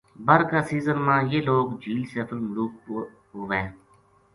بَر کا سیزن ما یہ لوک جھیل سیف الملوک پو ہوئے